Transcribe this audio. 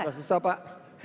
jangan susah susah pak